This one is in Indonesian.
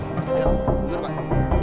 tunggu dulu pak